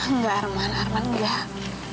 enggak arman arman enggak